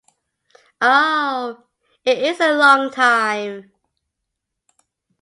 Oh, it is a long time!